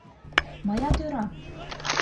Мыят ӧрам.